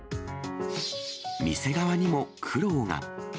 店側にも苦労が。